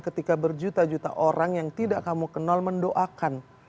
ketika berjuta juta orang yang tidak kamu kenal mendoakan